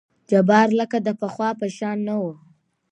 جبار لکه د پخوا په شان نه وو.